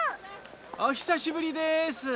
おひさしぶりです。